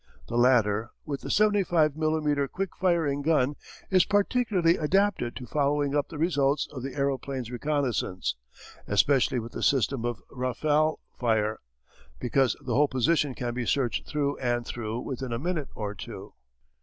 The latter, with the 75 millimetre quick firing gun, is particularly adapted to following up the results of the aeroplane's reconnaissance, especially with the system of rafale fire, because the whole position can be searched through and through within a minute or two.